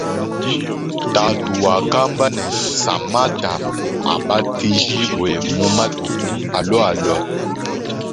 Tatu wakamba ne samanta abatijibwe mu matuku alwalwa.